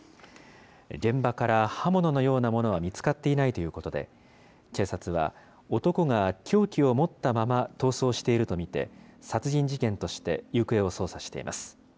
現場から刃物のようなものは見つかっていないということで、警察は男が凶器を持ったまま逃走していると見て、殺人事件として行方を捜査しています。